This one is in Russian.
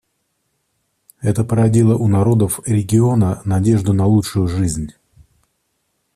Это породило у народов региона надежду на лучшую жизнь.